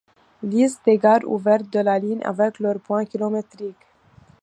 Liste des gares ouvertes de la ligne avec leur point kilométrique.